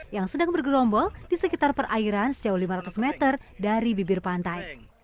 yang sedang bergerombol di sekitar perairan sejauh lima ratus meter dari bibir pantai